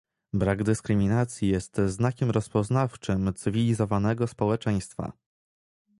Brak dyskryminacji jest znakiem rozpoznawczym cywilizowanego społeczeństwa